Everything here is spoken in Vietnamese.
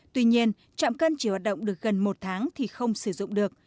tuy nhiên trạm cân chỉ hoạt động được gần một tháng thì không sử dụng được